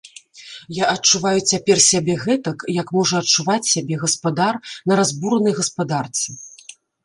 Я адчуваю цяпер сябе гэтак, як можа адчуваць сябе гаспадар на разбуранай гаспадарцы.